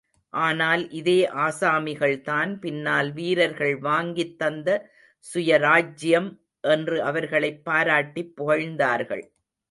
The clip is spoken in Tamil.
ஆனால் இதே ஆசாமிகள்தான் பின்னால் வீரர்கள் வாங்கித் தந்த சுயராஜ்யம் என்று அவர்களைப் பாராட்டிப் புகழ்ந்தார்கள்.